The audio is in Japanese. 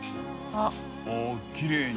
あっきれいに。